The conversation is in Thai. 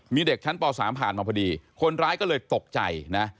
มีเด็กชั้นป๓ผ่านมาพอดีคนร้ายก็เลยตกใจนะ